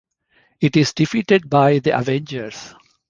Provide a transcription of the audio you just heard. It is defeated by the Avengers.